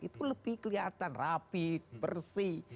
itu lebih kelihatan rapi bersih